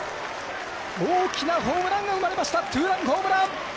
大きなホームランが生まれましたツーランホームラン！